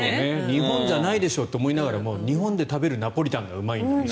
日本じゃないでしょと思いながら日本で食べるナポリタンがうまいんだよね。